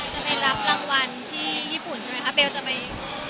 จะไปรับรางวัลที่ญี่ปุ่นใช่ไหมคะเบลจะไป